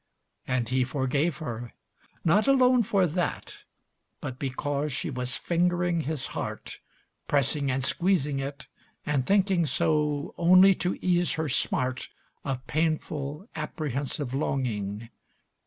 And he forgave her, not alone for that, But because she was fingering his heart, Pressing and squeezing it, and thinking so Only to ease her smart Of painful, apprehensive longing.